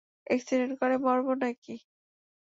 Accident করে মরবো নাকি।